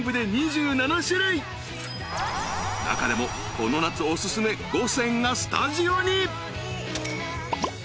［中でもこの夏お薦め５選がスタジオに］